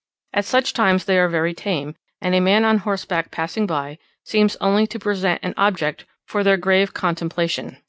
At such times they are very tame, and a man on horseback passing by seems only to present an object for their grave contemplation.